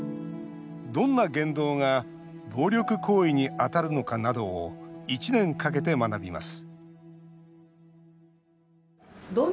どんな言動が暴力行為に当たるのかなどを１年かけて学びます